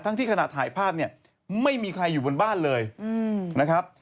ที่ขณะถ่ายภาพเนี่ยไม่มีใครอยู่บนบ้านเลยนะครับ